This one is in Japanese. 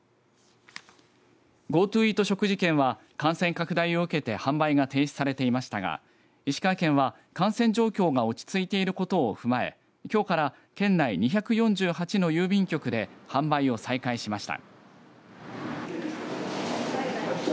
ＧｏＴｏイート食事券は感染拡大を受けて販売が停止されていましたが石川県は感染状況が落ち着いていることを踏まえきょうから県内２４８の郵便局で販売を再開しました。